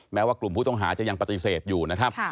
แม้ว่ากลุ่มผู้ต้องหาจะยังปฏิเสธอยู่นะครับ